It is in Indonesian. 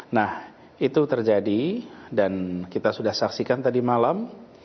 nah itu terjadi dan kita sudah saksikan tadi malam